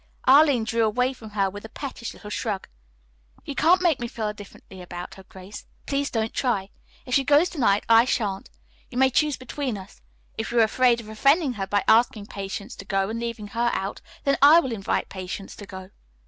Arline drew away from her with a pettish little shrug. "You can't make me feel differently about her, Grace. Please don't try. If she goes to night, I shan't. You may choose between us. If you are afraid of offending her by asking Patience to go and leaving her out, then I will invite Patience to go."